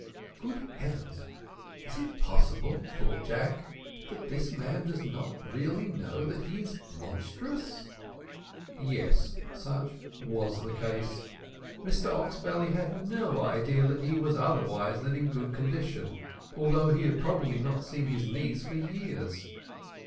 "Good heavens! is it possible," thought Jack, "that this man does not really know that he is monstrous?" Yet such was the case. Mr Oxbelly had no idea that he was otherwise than in good condition, although he had probably not seen his knees for years.